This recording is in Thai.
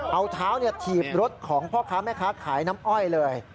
เอาเท้าถีบรถของพ่อค้าแม่ค้าขายน้ำอ้อยเลย